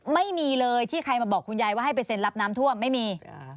ไม่มีเลยที่ใครมาบอกคุณยายว่าให้ไปเซ็นรับน้ำท่วมไม่มี